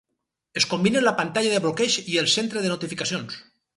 Es combinen la pantalla de bloqueig i el centre de notificacions.